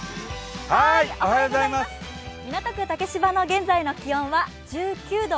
港区竹芝の現在の気温は１９度。